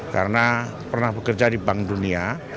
karena pernah bekerja di bank dunia